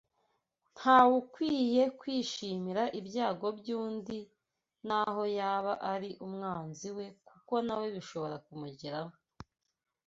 Ntawukwiye kwishimira ibyago by’undi naho yaba ari umwanzi we kuko na we bishobora kumugeraho